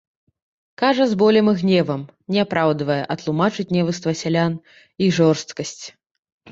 Кажа з болем і гневам, не апраўдвае, а тлумачыць невуцтва сялян, іх жорсткасць.